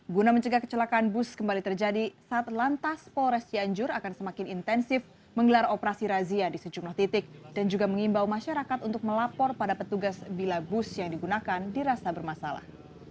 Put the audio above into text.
guna mencegah kecelakaan bus kembali terjadi saat lantas polres cianjur akan semakin intensif menggelar operasi razia di sejumlah titik dan juga mengimbau masyarakat untuk melapor pada petugas bila bus yang digunakan dirasa bermasalah